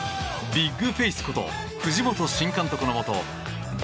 ビッグフェイスこと藤本新監督のもと